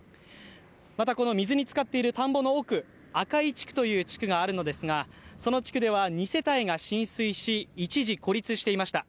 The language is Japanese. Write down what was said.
またこの水につかっている田んぼの奥、赤井地区という地区があるのですがその地区では２世帯が浸水し一時、孤立していました。